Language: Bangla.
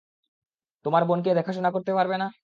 তোমার বোনকে দেখাশোনা করতে পারবে না?